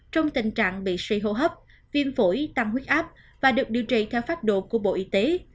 trong tình trạng bị suy hô hấp viêm phổi tăng huyết áp và được điều trị theo pháp đồ của bộ y tế